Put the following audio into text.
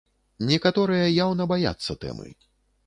Некаторыя яўна баяцца тэмы.